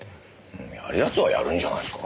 やる奴はやるんじゃないっすか？